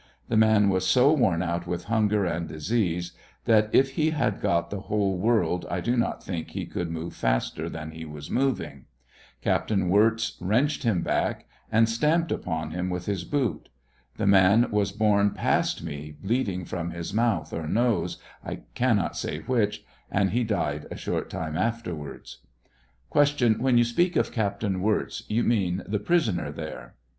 The man was so wo out with hunger and disease, that if he had got the whole world I do not think he cou move faster than he was moving. Captain Wirz wrenched him back, and stamped upon hi with his boot. The man was borne past me, bleeding from his mouth or nose, I cannot s; which, and he died a short time afterwards. Q. When you speak of Captain Wirz, you mean the prisoner there